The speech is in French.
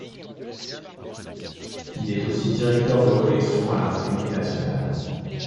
Il est aussi directeur de collection à l’Imprimerie nationale.